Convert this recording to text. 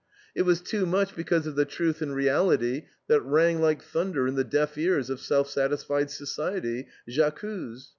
It was too much because of the truth and reality that rang like thunder in the deaf ears of self satisfied society, J'ACCUSE!